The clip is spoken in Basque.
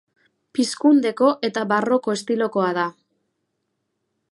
Pizkundeko eta barroko estilokoa da.